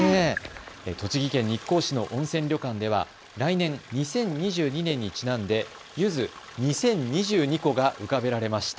栃木県日光市の温泉旅館では来年２０２２年にちなんでゆず２０２２個が浮かべられました。